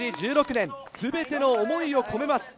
１６年全ての思いを込めます。